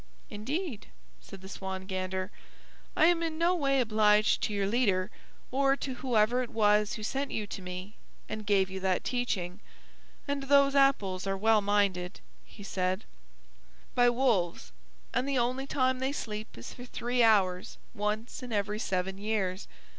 "Indeed," said the Swan Gander, "I am in no way obliged to your leader, or to whoever it was sent you to me and gave you that teaching. And those apples are well minded," he said, "by wolves; and the only time they sleep is for three hours once in every seven years.